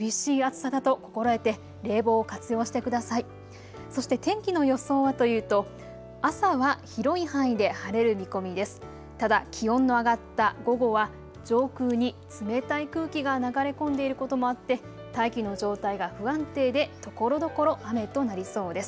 ただ気温の上がった午後は上空に冷たい空気が流れ込んでいることもあって大気の状態が不安定でところどころ雨となりそうです。